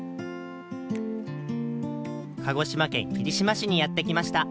鹿児島県霧島市にやってきました。